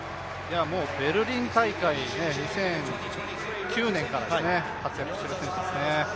ベルリン大会、２００９年から活躍している選手ですね。